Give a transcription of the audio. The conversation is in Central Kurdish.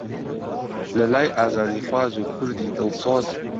لەلای ئازادیخواز و کوردی دڵسۆز